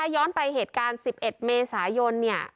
ย้อนไปเหตุการณ์๑๑เมษายน